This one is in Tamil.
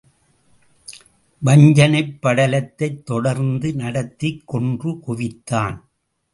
வஞ்சனைப் படலத்தைத் தொடர்ந்து நடத்திக் கொன்று குவித்தான்.